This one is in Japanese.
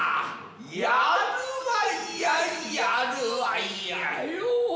やるわいやいやるわいやい」